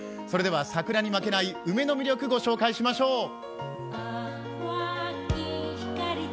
それでは桜に負けない、梅の魅力をご紹介しましょう。